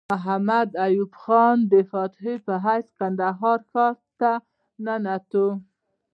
محمد ایوب خان د فاتح په حیث کندهار ښار ته ننوت.